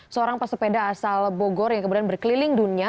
seorang pesepeda asal bogor yang kemudian berkeliling dunia